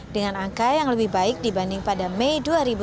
dengan angka yang lebih baik dibanding pada mei dua ribu dua puluh